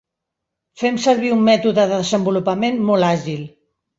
Fem servir un mètode de desenvolupament molt àgil.